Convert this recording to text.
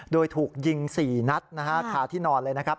โดยถูกยิง๔นัดนะฮะคาที่นอนเลยนะครับ